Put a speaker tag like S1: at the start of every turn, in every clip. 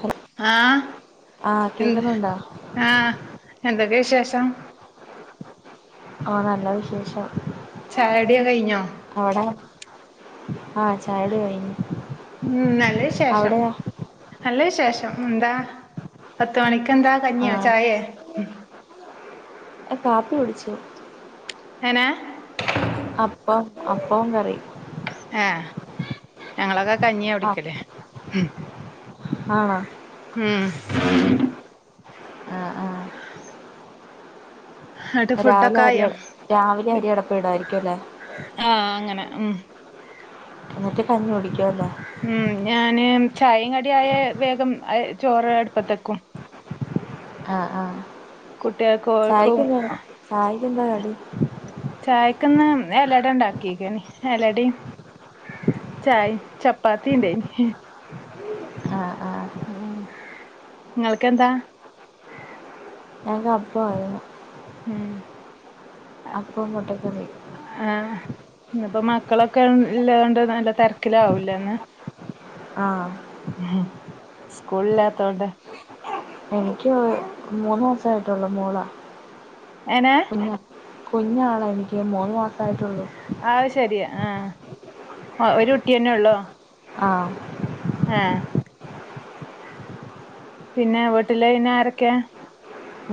S1: Hello
S2: ആഹ്
S1: ആഹ്
S2: എന്ത്
S1: കേക്കുന്നുണ്ടോ
S2: ആഹ് എന്തൊക്കെ വിശേഷം
S1: ആഹ് നല്ല വിശേഷം
S2: ചായടി ക്കെ കഴിഞ്ഞോ?
S1: അവിട ആഹ് ചായടി കഴിഞ്ഞു
S2: ഉം നല്ല വിശേഷം
S1: അവിടെയോ
S2: നല്ല വിശേഷം ന്താ പത്ത് മണിക്ക് എന്താ കഞ്ഞിയോ
S1: ആഹ്
S2: ചായയെ
S1: കാപ്പി കുടിച്ചു
S2: ഹനാ
S1: അപ്പം അപ്പും കറി
S2: ആഹ ഞങ്ങളൊക്കെ കഞ്ഞിയ കു
S1: ആഹ്
S2: ടിക്കലേ
S1: ആണോ
S2: ഹം
S1: ആ ആഹ
S2: ന്നട്ട്
S1: രാവിലെ
S2: ഫുഡൊക്കെ
S1: അരിയ
S2: ആയോ
S1: രാവിലെ അരിയടപ്പ ഇടമായിരിക്കും അല്ലേ
S2: ആ അങ്ങനെ ഉം
S1: എന്നിട്ട് കഞ്ഞി കുടിക്കുവല്ലേ
S2: ഉം ഞാന് ചായയും കടി ആയ വേഗം ചോറ് അടുപ്പത്തേക്കും
S1: ആഹ ആഹ
S2: കുട്ടികൾക് ഓൽകും
S1: കടി
S2: ചായക്കന്ന് ഇലട ഉണ്ടാക്കിക്കനി ഇലടയും ചായ ചപ്പാത്തി ഉണ്ടായിനി
S1: ആഹ ആഹ
S2: ഉം നിങ്ങൾക്ക് എന്താ
S1: എക്ക് അപ്പമായിരുന്നു
S2: ഉം
S1: അപ്പവും മുട്ടക്കറി
S2: ആ് ഇന്നപ്പോ മക്കളൊക്കെ ഇള്ള കൊണ്ട് നല്ല തരക്കിലാവൂില്ലന്ന്
S1: ആഹ
S2: ഉ സ്കൂളില്ലാത്തോണ്ട്
S1: എനിക്ക് മൂന്ന് മാസായിട്ടുള്ളൂ മോളാ
S2: എനാ
S1: കുഞ്ഞ കുഞാളാ എനിക്ക് മൂന്നു മാസായിട്ടുള്ളു
S2: ആ ശരിയാ ആ ആ ഒരു കുട്ടിന്നെ ഉള്ളോ
S1: ആഹ
S2: ആഹ പിന്നെ വീട്ടില ഇന ആരൊക്കെ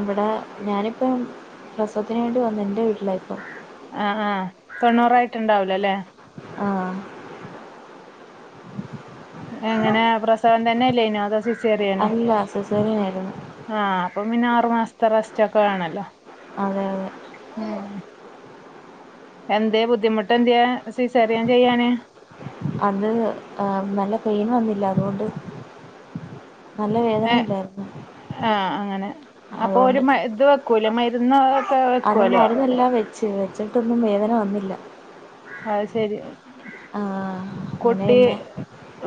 S1: ഇവിടെ ഞാനിപ്പം പ്രസവത്തിന് വേണ്ടി വന്ന എൻ്റെ വീട്ടിലായിപ്പോൾ
S2: ആ ആഹ് തൊണ്ണൂറായിട്ടുണ്ടാവലോ അല്ലേ
S1: ആഹ
S2: എങ്ങനെ പ്രസവം തന്നെ ഇല്ല ഇനോ അതോ സിസറിയണോ
S1: അല്ല സിസേറിയൻ ആയിരുന്നു
S2: ആഹ് അപ്പൊ പിന്നെ ആറുമാസത്തെ റസ്റ്റ് ഒക്കെ വേണല്ലോ
S1: അതെ
S2: ഉം എന്തേ ബുദ്ധിമുട്ട് എന്ത്യേ സിസറിയൻ ചെയ്യാന്
S1: അത് നല്ല പെയിൻ വന്നില്ല അതോണ്ട് നല്ല വേദന ഇണ്ടായിരുന്നു
S2: ഏഹ്.. അങ്ങനെ.. അപ്പൊ ഓര് ഇത് വെക്കൂലേ മരുന്ന് ഒക്കെ
S1: അത്
S2: വെക്കുവല്ലോ
S1: മരുന്നെല്ലാം വെച്ച് വെച്ചിട്ടൊന്നും വേദന വന്നില്ല
S2: അഹ് ശരി
S1: ആ അങ്ങനെ
S2: കുട്ടി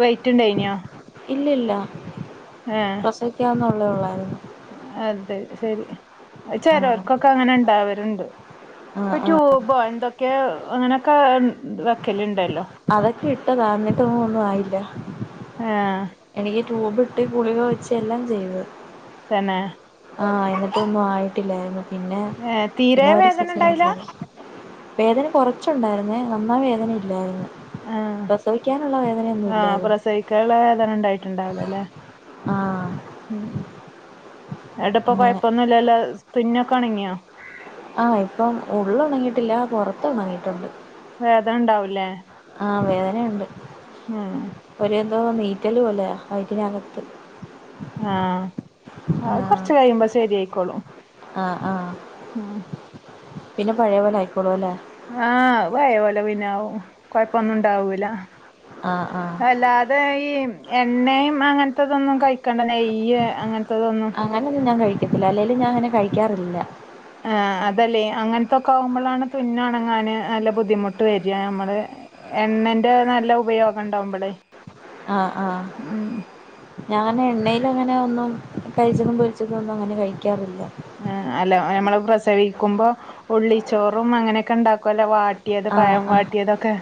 S2: വെയിറ്റുണ്ടായിനോ?
S1: ഇല്ലെല്ലാ
S2: ഏഹ്
S1: [unintelligible] ഉള്ളായിരുന്നു
S2: അത് ശെരി അത്
S1: ആ
S2: ചെലോൽക്കൊക്കെ അങ്ങനെ ഇണ്ടാവല്ണ്ട്
S1: ആ
S2: പ്പൊ
S1: ആ
S2: ട്യൂബോ എന്തൊക്കെ അങ്ങനെയൊക്കെ വെക്കല് ഇണ്ടല്ലോ
S1: അതൊക്കെ ഇട്ടതാ.. എന്നിട്ടൊന്നും ഒന്നും ആയില്ല
S2: ഏഹ്..
S1: എനിക്ക് ട്യൂബിട്ട് ഗുളിക വെച്ച് എല്ലാം ചെയ്ത്
S2: തന്നെ
S1: ആഹ് എന്നിട്ട ഒന്നും ആയിട്ടില്ലായിര്ന്നു പിന്നെ
S2: ഏഹ്
S1: പിന്നെ
S2: തീരെ
S1: അവര്
S2: വേദന
S1: സിസേറി
S2: ഇണ്ടായില്ല
S1: വേദന കൊറച്ചുണ്ടായിരുന്നേ നന്നാ വേദന ഇല്ലായിരുന്നു
S2: ആഹ്
S1: പ്രസവിക്കാനുള്ള വേദനയൊന്നും ഇല്ലാ
S2: കേള വേദന ഇണ്ടായിട്ടുണ്ടാവില്ലല്ലേ
S1: ആഹ്
S2: ഉം ന്നട്ട്പ്പ
S1: അങ്ങനെ
S2: കൊഴപ്പൊന്നുംല്ലല്ലോ തുന്നൊക്കെ ഒണങ്ങിയോ
S1: ആഹ് ഇപ്പം ഉള്ള് ഒണങ്ങിയിട്ടില്ല പുറത്ത് ഉണങ്ങിയിട്ടുണ്ട്
S2: വേദനണ്ടാവൂലേ?
S1: ആഹ് വേദനയുണ്ട്
S2: ഉം
S1: ഒരു എന്തോ നീറ്റല് പോലേയ വൈറ്റിനകത്ത്
S2: ആഹ് അത്
S1: ആഹ്
S2: കൊറച്ച് കഴിയുമ്പോ ശരിയയിക്കോളും
S1: ആഹ്... ആഹ്..
S2: ആഹ്
S1: പിന്നെ പഴെപോലെ ആയിക്കോളും അല്ലേ
S2: ആഹ് പയേ പോലെ പിന്നാവും കൊഴപ്പൊന്നും ഉണ്ടാവൂല
S1: ആഹ് ആഹ്
S2: വെല്ലാതെ ഈ എണ്ണയും അങ്ങനത്തതൊന്നും കഴിക്കേണ്ട നെയ്യ് അങ്ങനത്തതൊന്നും
S1: അങ്ങനൊന്നും ഞാൻ കഴിക്കത്തില്ല അല്ലേലും ഞാൻ അങ്ങനെ കഴിക്കാറില്ല
S2: ആഹ് അതല്ലേ അങ്ങനത്തൊക്കെ ആകുമ്പോളാണ് തുന്നൊണങ്ങാന് നല്ല ബുദ്ധിമുട്ട് വരി നമ്മള് എണ്ണന്റെ നല്ല ഉപയോഗം ഉണ്ടാകുമ്പളേ
S1: ആഹ് ആഹ് ഞാനെ എണ്ണീയിൽ അങ്ങനെ ഒന്നും കഴിച്ചതും പൊരിച്ചതും ഒന്നും അങ്ങനെ കഴിക്കാറില്ല
S2: ആഹ് അല്ല നമ്മള് പ്രസവിക്കുമ്പോ ഉള്ളിച്ചോറും അങ്ങനെയൊക്കെ ഉണ്ടാക്കുവല്ലോ വാ റ്റിയതും
S1: ആഹ്
S2: പഴം
S1: ആഹ്
S2: വട്ടിയതൊക്കെ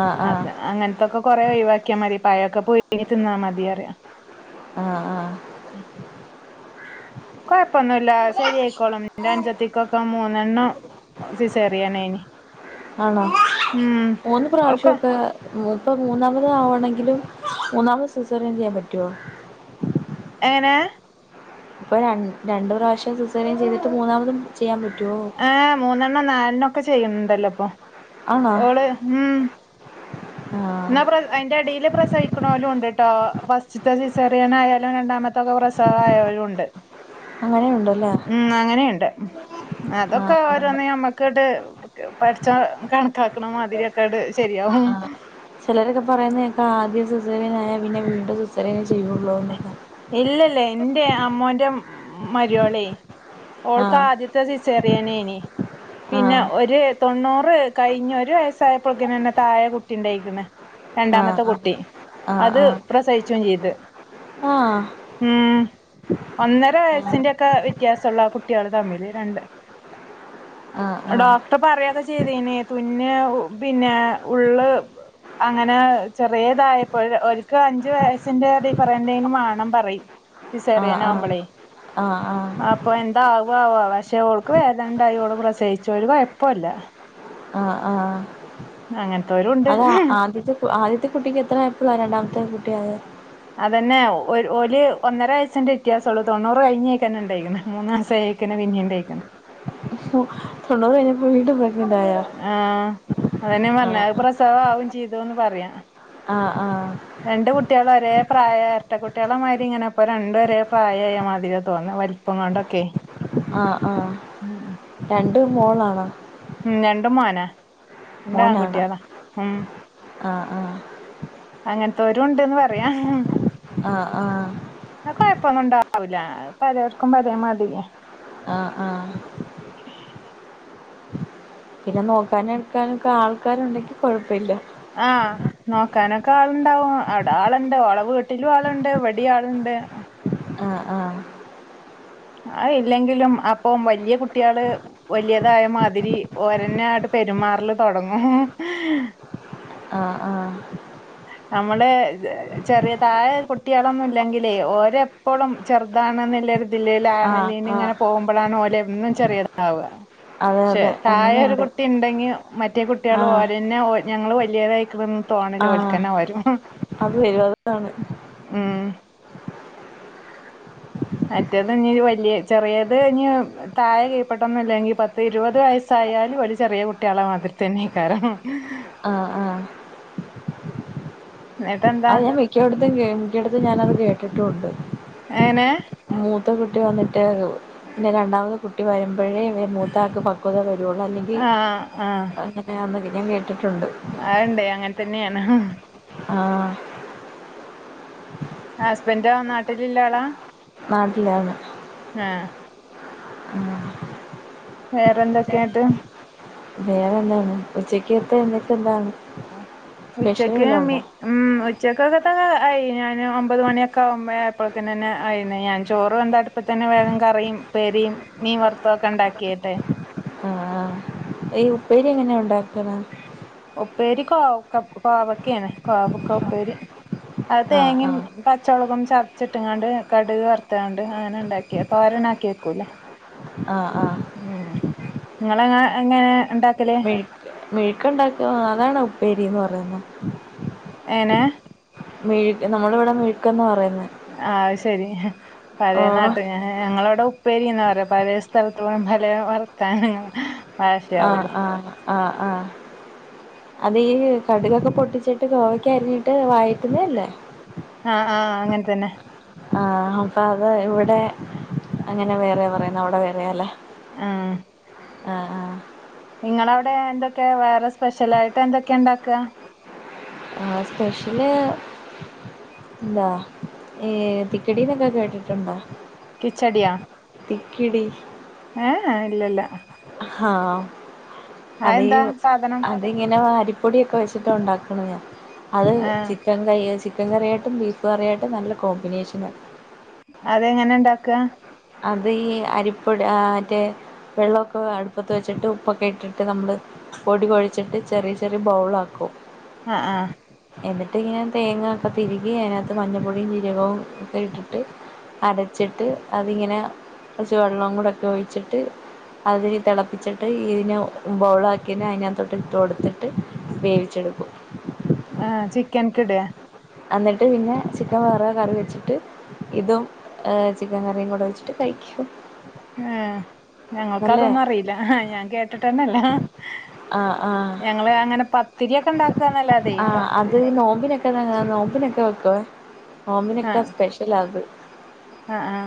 S1: ആഹ്
S2: അ
S1: ആഹ്
S2: അങ്ങൻ തൊക്കെ കൊറേ ഒഴിവാക്കിയാ മതി പയൊക്കെ പുയുങ്ങി തിന്നാ മതി അറിയ
S1: ആഹ് ആഹ്
S2: പ്പൊന്നുല്ല ശരിയയിക്കോളും ന്റെ അഞ്ചത്തിക്കൊക്കെ മൂന്നെണ്ണം സിസേറിയനെയ്നി.
S1: ആണോ മൂന്ന്
S2: ഓൾക്ക്
S1: പ്രാവശ്യമൊക്കെ ഇപ്പം മൂന്നാമത് ആവണെങ്കിലും മൂന്നാമത് സൂസറിയൻ ചെയ്യാൻ പറ്റുവോ
S2: എങ്ങനേ
S1: ഇപ്പ രണ്ടു പ്രാവശ്യം സിസേറിയൻ ചെയ്തിട്ട് മൂന്നാമതും ചെയ്യാൻ പറ്റുവോ
S2: ഏഹ് മൂന്നെണ്ണം നാലെണ്ണം ഒക്കെ ചെയ്യുന്നുണ്ടല്ലോ അപ്പൊ
S1: ആണോ
S2: ഓള് ഉം
S1: ആഹ്
S2: ന്നപ്ര അയിന്റെ എടീല് പ്രസവിക്കണോലും ഉണ്ട് ട്ടോ ഫസ്റ്റിതേ സിസേറിയനായാലും രണ്ടാമത്തൊക്കെ പ്രസവ ആയോലും ഉണ്ട്
S1: അങ്ങനെ ഇണ്ട്ല്ലേ
S2: ഉം അങ്ങനെയ്ണ്ട് അതൊക്കെ
S1: ആഹ്
S2: ഓരോന്ന് നമ്മ ഒക്കട്ട് പടചോൻ കണക്കാക്കണ മാതിരി ഒക്കെട്ട് ശരിയാവും
S1: ആഹ് ചിലരൊക്കെ പറയുന്നത് കേൾക്ക ആദ്യം സിസെറിയെൻ ആയാൽ പിന്നെ വീണ്ടും സിസെറിയ്യൻ ചെയ്യയുള്ളൂ എന്നൊക്കെ
S2: ഇല്ലല്ല എറെ അമ്മോന്റെ മര്യാളി ഓൾക്ക
S1: ആഹ്
S2: ആദ്യത്തെ ത്തെ സിസെറിയെൻ ഏനി പിന്നെ
S1: ആഹ്
S2: ഒരു തൊണ്ണൂറ് കഴിഞ്ഞ് ഒരു വയസ്സായപ്പോളക്കനെന്നെ തായെ കുട്ടിണ്ടക്കണ് രണ്ടാമത്തെ
S1: ആഹ്
S2: കുട്ടി അത് പ്രസവിച്ചും ചെയ്ത്
S1: ആഹ
S2: ഉം ഒന്നര വയസ്സിന്റെയ ഒക്കെ വ്യത്യാസമുള്ള കുട്ടികള് തമ്മില് രണ്ട്
S1: ആഹ് ആഹ് ആഹ്
S2: ഡോക്ടർ പറയൊക്കെ ചെയ്തനെ തുന്ന് പിന്നെ ഉള്ള് അങ്ങനെ ചെറിയതായപ്പോഴ ഒക്ക് അഞ്ചു വയസിന്റെ ഡിഫറൻ എന്തേും വണം പറ സിസെറിയൻ ആകുമ്പളെ
S1: ആ ആ
S2: അപ്പൊ എന്താവകുവാ ആവോ പക്ഷെഓൾക്ക്ക് വേദനണ്ടായി ഓള് പ്രസയിച്ചു ഒരു കൊയപ്പൂല
S1: ആഹ ആഹ ആ
S2: അങ്ങന
S1: അത ആദ്യത്തെ കു ആദ്യത്തെ കുട്ടിക്ക് എത്ര ആപ്പോളാ രണ്ടാമത്തെ കുട്ടി അയെ
S2: അതന്നെ ഒര് ഒല് ഒന്നര വയസ്സിന്റെ വ്യയാസമുള്ളൂ തൊണ്ണൂറ് കഴിഞ്ഞേക്ക തന്നെ ഉണ്ടായിരിക്കുന്ന മൂന്ന് മാസായ് ക്ക്ണ് പിന്നെയുണ്ടായിക്കണ്
S1: ഒ തൊണ്ണൂറ് കഴിഞ്ഞപ്പോ വീണ്ടും പ്രെഗ്നന്റ് ആയോ
S2: ആഹ അതന്നെയ
S1: ആഹ്
S2: പറഞ്ഞത് പ്രസവ ആവും ചെയ്തോന്ന് പറയാ
S1: ആഹ് ആഹ്
S2: രണ്ട് കുട്ടികളും ഒരേ പ്രായ എരട്ട കുട്ടികളെമാരി ഇങ്ങനെ ഇപ്പോ രണ്ടും ഒരേ പ്രായായ മതിരിയാ തോന്ന വ പ്പങ്ങണ്ടൊക്കെ
S1: ആ ആ രണ്ട് മോളാണാ?
S2: ഉം രണ്ടും മോന
S1: മോനാണോ ആഹ് ആഹ്
S2: അങ്ങനത്തെരു ഉണ്ട്ന്ന് പറയാം
S1: ആഹ് ആഹ്
S2: ആ കൊഴപ്പൊന്നും ഉണ്ടാവില്ല പലർക്കും പലെമാതിരിയാ
S1: ആഹ് ആഹ് പിന്നെ നോക്കാനും എടുക്കാനൊക്കെ ആൾക്കാരുണ്ടെങ്കിൽ കുഴപ്പയില്ല
S2: ആഹ് നോക്കാനൊക്കെ ആളുണ്ടാവും അവിട ആളുണ്ട് ഒള വീട്ടിലും ആളുണ്ട് ഇവിടി ആളുണ്ട്
S1: ആഹ് ആഹ്
S2: അ ഇല്ലെങ്കിലും അപ്പം വലിയ കുട്ടികള് വലിയതായ മാതിരി ഓരന്നെ ആട്ട് പെരുമാറൽ തുടങ്ങും
S1: ആഹ്‌ ആഹ്
S2: നമ്മള [unintelligible] ചെറിയ താഴെ കുട്ടികളൊന്നും ഇല്ലെങ്കിലേ ഓരെപ്പോഴും ചെറുതാണെന്നുളൊരു ദില്ലേൽ
S1: ആഹ്
S2: ആണലിന്
S1: ആഹ്
S2: ഇങ്ങനെ പോകുമ്പോഴാണ്ണ ഓലെന്ന് വെച്ചറിയാതാവുക
S1: അതെ
S2: പക്ഷെ
S1: അതെ
S2: തായെ ഒരു
S1: അങ്ങനെയുണ്ട്
S2: കുട്ടി ഉണ്ടെങ്കി മറ്റേ കുട്ടികള്
S1: ആഹ്
S2: ഓരന്നെ ഞങ്ങള് വലിയതായിക്ക്ണെ തോണൽ
S1: ആഹ്
S2: ഓർക്കന വരും
S1: അത് വരും അതാണ്
S2: ഉം മറ്റേത് ഇഞ് വലിയ ചെറിയത് ഇഞ് താഴെ കൈ പെട്ടന്നില്ലെങ്കിൽ പത്ത് ഇരുപത് വയസ്സായാലും ഒര് ചെറിയ കുട്ടികളെ മാതിരി തന്നെ കാരം
S1: ആഹ് ആഹ്
S2: എന്നിട്ടെന്താ
S1: അത് ഞാൻ മിക്കയിടത്തും മിക്കയിടത്തും ഞാാനത് കേട്ടിട്ടുണ്ട്
S2: ഐനെ
S1: മൂത്ത കുട്ടി വന്നിട്ട് പിന്നെ രണ്ടാമത് കുട്ടി വരുമ്പോഴേ അവ മൂത്ത ആക്ക് പ കുത വരുവയുള്ളൂ അല്ലെങ്കിൽ
S2: ആഹ്
S1: അങ്ങനെ ആന്ന് ഞാൻ കേട്ടിട്ടുണ്ട്
S2: ആയുണ്ടെ അങ്ങനെ തന്നെയാണ്
S1: ആഹ്
S2: ഹസ്ബൻറ്റോ ആ നാട്ടിലിലാളാ
S1: നാട്ടിലാണ്
S2: ആഹ്
S1: ഉം
S2: വേറെ എന്തൊക്കെയാട്ട്
S1: വേറെ എന്താണ് ഉച്ചക്ക്ത്ത എന്തൊക്കെ എന്താണ് സ്പെഷ്യൽ
S2: ഉച്ചക്ക്
S1: വല്ലോം
S2: മി
S1: ഉണ്ടോ
S2: ഉം ഉച്ചയ്ക്കൊക്കത്ത ആയി ഞാൻ ഒമ്പത് മണിയൊക്കെ ഒമ്പരആയപ്പോഴ്തേന് തന്നെ ആയിരുന്നു ഞാൻ ചോറ് വെന്ത അടു ഇപ്പ തന്നെ വേഗം കറിയും പേരിയും മീ വർത്തെക്കെ ഉണ്ടാക്കിട്ടെ
S1: ആഹ് ഈ ഉപ്പേരി എങ്ങനെയ ഉണ്ടാക്ക്ന്ന
S2: ഉപ്പേരി കോവക്ക കോവക്കയാണ് കോവക്ക ഉപ്പേരി അത്
S1: ആഹ്
S2: തേങ്ങയും
S1: ആഹ്
S2: പച്ചമളകും ചതച്ചിട്ടിങ്ങാണ്ട് കടുക് വറുതാണ്ട് അങ്ങനെ ഉണ്ടാക്കി തോരൻ ആക്കി വെക്കൂല്ലേ
S1: ആഹ് ആഹ്
S2: ഊം.. നിങ്ങളെങ്ങ എങ്ങനെഇണ്ട
S1: മെഴ്ക് മെഴുക്കുണ്ടാക്ക അതാണ് ഉപ്പേരിന്ന് പറയുന്നെ
S2: ഏനെ
S1: മെഴു നമ്മളിവിടെ മിഴുക്കന്നാ പറയുന്നെ
S2: ആ.. അത് ശരി ഹ്ൻ.. പഴയ നാട്ട
S1: ഓഹ്
S2: [inaudible] ഏ.. ഞങ്ങളവിടെ ഉപ്പേരിന്ന് പറ പല സ്ഥലത്ത പല വർത്താനങ്ങളാ ഹ്.
S1: ആ.. ആ ആ ആ അത് ഈ കടുകൊക്കെ പൊട്ടിച്ചിട്ട് ഗോവക്കയരിഞ്ഞി ട്ട് വായിട്ടുന്നയല്ലേ..
S2: അ ആ അങ്ങനെ തന്നെ
S1: ആഹ അപ്പ അത് ഇവിടെ അങ്ങനെ വേറെ പറയുന്ന അവിടെ വേറെയല്ലെ
S2: ആഹ്.. നിങ്ങളവിടെ എന്തൊക്കെ വേറെ സ്പെഷ്യലായിട്ട് എന്തൊക്കെണ്ടാ ക്ക്‌ക
S1: ആ സ്പെഷ്യല് [inaudible] ഏ തിക്കടിീന്നൊക്കെ കേട്ടിട്ടുണ്ടോ
S2: കിച്ചടിയൊ
S1: തിക്കിടി
S2: എ ഏ ഇല്ലല്ല
S1: ആഹാം.. അതി
S2: അതെന്താ സാധനം
S1: [inaudible] അതിങ്ങനെ അരിപ്പൊടിയൊക്കെ വെച്ചിട്ടാ ഉണ്ടാക്കണത് അത് [inaudible]
S2: ആഹ്
S1: ചിക്കൻ കൈ ചിക്കൻ കറിയായിട്ടും ബീഫ് കറിയായിട്ടും നല്ല കോമ്പിനേഷനാണ്
S2: അതെങ്ങനെ ഉണ്ടാക്ക
S1: അത്.. ഈ അരിപ്പൊട ആറ്റെ വെള്ളവൊക്കെ അടുപ്പത്ത് വെച്ചിട്ട് ഉപ്പൊക്കെ ഇട്ടിട്ട് നമ്മള് പൊടിികുഴച്ചിട്ട് ചെറിയ ചെറിയ ബൗളാക്കും
S2: അ ആ..
S1: എന്നിട്ട് ഇങ്ങനെ തേങ്ങാക്കെ തിരികി അതിനകത്ത് മഞ്ഞപ്പൊടിയും ജീരകവും ഒക്കെ ഇട്ടിട്ട് അടച്ചിട്ട് അതിങ്ങനെ ച്ച് വെള്ളം കൂടെ ഒക്കെ ഒഴിച്ചിട്ട് അതില് തിളപ്പിച്ചിട്ട് ഇതിനെ ബൗളാ ക്കിയതിനെ അതിനക ത്തോട്ട് ഇട്ട് കൊടുത്തിട്ട് വേവിിച്ചെടുക്കും [unintelligible]
S2: ആ ചിക്കൻ കിടെ?
S1: അന്നിട്ട് പിന്നെ ചിക്കൻ വേറെ കറി വെച്ചിട്ട് ഇതുംഏ ചിക്കൻ കറിയും കൂടെ വെച്ചിട്ട് കഴിക്കുംഉമ്
S2: എ ഏ.. ഞങ്ങൾക്ക് അതൊന്നും അറിയില്ല ഹെ ആ ഞാൻ കേട്ടിട്ടന്നല്ലഹമ്.
S1: ആ ആ
S2: ഞങ്ങള് അങ്ങനെ പത്തിരിയൊ ക്കെ ഉണ്ടാക്ക
S1: ആഅത് ഈ നോമ്പിനൊക്കെ [inaudible] നോമ്പിനൊക്കെ വെക്കുവെ നോമ്പിനൊക്കെ സ്പെഷ്യല അത്
S2: ആ ആ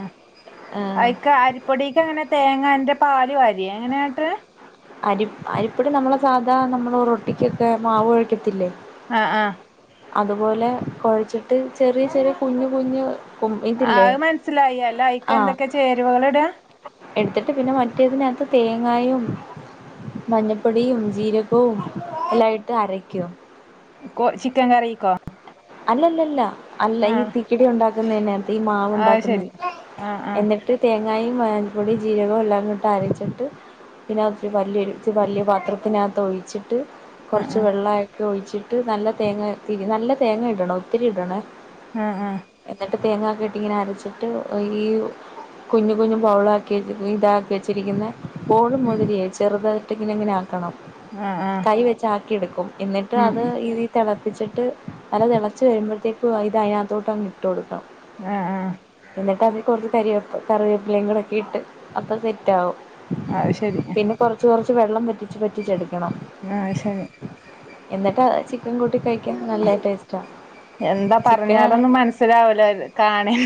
S1: ആഹ്
S2: അയ് ക്ക്‌ അരിപ്പൊടിക്ക് എ ങ്ങനെ തേങ്ങന്റെ പാൽ വാര്യേ എങ്ങനെആട്ടവ
S1: അരി അരിപ്പടി നമ്മളെ സാധാ നമ്മൾ റൊട്ടിിക്കൊക്കെ മാവ് ഒഴിക്കത്തില്ലേ
S2: അ ആ
S1: അതുപോലെ കുഴച്ചിട്ട് ചെറിയ ചെറിയ കുഞ്ഞ് കുഞ്ഞ്
S2: ആ അത് മനസ്സിലായി അല്ലഅയ്ക്ക്
S1: ആഹ്
S2: എന്തൊക്കെ ചേരുവകൾ ഇട
S1: എടുത്തിട്ട് പിന്നെ മറ്റേതിനകത്ത് തേങ്ങായും മഞ്ഞപ്പൊടിയും ജീരകവും എല്ലാംയിട്ട് അരക്കും
S2: കൊ ചിക്കൻ കറീക്കോ
S1: അല്ലല്ലല്ല അല്ല ഈ
S2: ആഹ്
S1: തിക്കിടി ഉണ്ടാക്കുന്നെക ത്ത് ഈ മാവ്
S2: അത്
S1: ഉണ്ടാക്കുന്ന
S2: ശരി ആഹ് ആഹ്
S1: എന്നിട്ട് തേങ്ങായും [inaudible] പൊടിി ജീരകവും എല്ലാം ഇട്ട് അരച്ചിട്ട് പിന്നെ അത് വലിയരി വലിയ പത്രത്തിനകത്ത് ഒഴിച്ചിട്ട് കുറച്ച്
S2: ആഹ്
S1: വെള്ളമായിട്ട് ഒഴിച്ചിട്ട് നല്ല തേങ്ങതിരി നല്ല തേങ്ങ ഇടണ ഒത്തിരി ഇടണേ
S2: ആഹ് ആഹ്
S1: എന്നിട്ട് തേങ്ങക്കെ ഇട്ടി ഇങ്ങനെ അരച്ചിട്ട് ഈ കുഞ്ഞു കുഞ്ഞു ബൗളാ ക്കി ഇതാക്കി വെച്ചിരിക്കുന്ന ബോൾ
S2: ഉം
S1: മാതിരി ചെറുതായിട്ട ഇങ്ങനെങ്ങനെ ആ,, ക്കണം
S2: ആഹ് ആഹ്
S1: കൈ വെച്ചാക്കിെടുക്കും എന്നിട്ട്
S2: ഉം
S1: അത് ഇഈ തിളപ്പിച്ചിട്ട് നല്ല തിളച്ചു വരുമ്പോഴേക്കും ഇത് അതിനകത്തോട്ട് അങ് ഇട്ട് കൊടുക്കണം
S2: ആഹ് ആഹ്
S1: എന്നിട്ട് അതി കുറച്ച് കറിവ കറിവേപ്പിലേയും കൂടെ ഒക്കെ ഇട്ട് അപ്പം സെറ്റകും.
S2: അത് ശരിയ
S1: കുറച്ച് കുറച്ച് വെള്ളം പറ്റിച്ച് പറ്റിെടുക്കണം
S2: ആഹ് ശരി
S1: എന്നിട്ടാ ചിക്കൻ കൂട്ടി കഴിക്കൻ നല്ല ടേസ്റ്റാ
S2: എന്താ
S1: ചിക്കനാണ്
S2: പറഞ്ഞാലൊന്നും മനസ്സിലാവലോ കാണും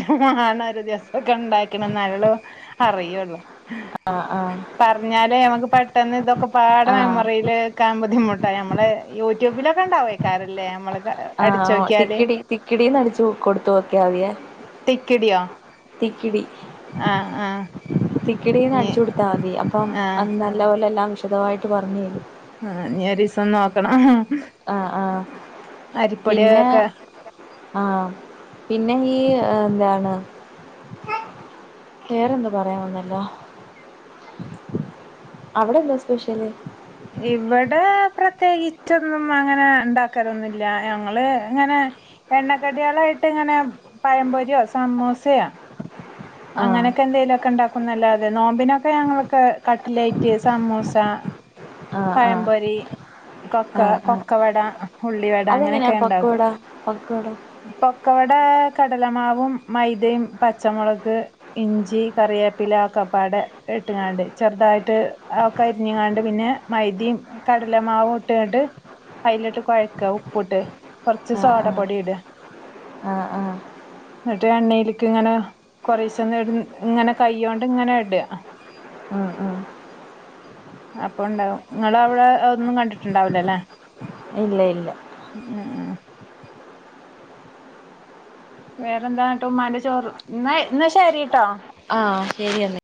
S2: ആണ ഒരു ദിവസം ഒക്കെ ഉണ്ടാക്കണം നല്ലൊളം അറിയുള്ളു
S1: ആ ആ
S2: പറഞ്ഞല് നമക്ക് പെട്ടെന്ന് ഇതൊക്കെ പാട്
S1: ആ
S2: മെമ്മറിയില് ക്കാൻ ബുദ്ധിമുട്ട് നഞമ്മള് യൂട്യൂബിലൊക്കെണ്ടാവേക്കാറല്ലേ നമ്മള് അടിച്ചോ
S1: ആഹ് തിക്കിടി തിക്കിടിന്ന്ടിച്ച് കൊടുത്തു നോക്കതിയേ
S2: തിക്കിടിയോ
S1: തിക്കിടി
S2: ആഹ് ആഹ്
S1: തിക്കിടിന്ന്
S2: ഇനി
S1: അടിിച്ചു കൊടുത്താൽ മതി അപ്പം
S2: ആഹ്
S1: അന്ന നല്ലപോലെല്ലാം വിദമായിട്ട് പറഞ്ഞു തരും
S2: ആഹ് ഇനി ഒരീസം നോക്കണം
S1: ആഹ് ആഹ്
S2: അരിപ്പൊടി
S1: പിന്നെ
S2: ഒക്കെ
S1: ആഹ പിന്നെ ഈ എന്താണ് വേറെന്താ പറയാൻവ ന്നല്ലോ അവിടെന്താ സ്പെഷ്യല്
S2: ഇവിടെ പ്രത്യേകിച്ചൊന്നും അങ്ങനെ ഇണ്ടാക്കറൊന്നുമില്ല ഞങ്ങള് ഇങ്ങനെ എണ്ണക്കടിയള ആയിട്ട് ഇങ്ങനെ പയംപൊരിയോ സമോസയോ
S1: ആഹ്
S2: അങ്ങനെയൊക്കെ എന്തെലുംക്കെ ഉണ്ടാക്കുംല്ലാതെ നോമ്പിനൊക്കെ ഞങ്ങളൊക്ക് കട്്ലേറ്റ് സമൂസ
S1: [inaudible] ആഹ്
S2: പഴംപൊരി കൊക്ക
S1: ആഹ് ആഹ്
S2: കൊൊക്കവട ഉള്ളിവട അങ്ങനെയൊക്കെ ഉണ്ടാകും
S1: ഒക്കെടാ
S2: പൊക്കവട കടലമാവും മൈദയും പച്ചമുളക് ഇഞ്ചി കറിയേപ്പില കപ്പാട് ഇട്ട്ങ്ങാണ്ട് ചെറുതായിട്ട് ഒക്ക ഇരിഞ്ഞങ്ങാണ്ട് പിന്നെ,, മൈതിയും കടലമാവവും ഇട്ട്ിട്ട് അതിലിട്ട് കുഴക്കുക ഉപ്പ ഇട്ട്
S1: ആഹ് ആഹ് ആഹ് ആഹ്
S2: എന്നിട്ട് എണ്ണയിലേക്ക് ഇങ്ങനെ കുറച്ചന്ന് ഇങ്ങനെ കൈണ്ട് ഇങ്ങനെ ഇട്
S1: അഹ് അഹ്
S2: അപ്പൾ ഉണ്ടാവും നിങ്ങങ്ങള അവിടെ ഒന്നും കണ്ടിട്ടുണ്ടാവില്ലോ ല്ലേ
S1: ഇല്ല ഇല്ല
S2: വേറെന്താന്നട്ട് ഉ്മാന്റെ ചോറ് ഇന്ന ശരി കേട്ടോ
S1: ആഹ ശരിയെന്നാ